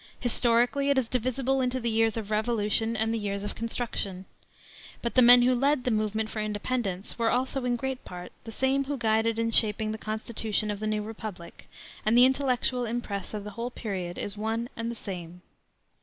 Historically it is divisible into the years of revolution and the years of construction. But the men who led the movement for independence were also, in great part, the same who guided in shaping the Constitution of the new republic, and the intellectual impress of the whole period is one and the same.